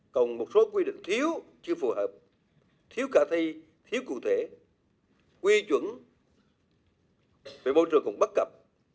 còn một số quy định thiếu chưa phù hợp thiếu cả thi thiếu cụ thể quy chuẩn về môi trường cũng bất cập